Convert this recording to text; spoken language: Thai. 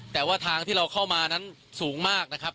แต่ว่าทางที่เราเข้ามานั้นสูงมากนะครับ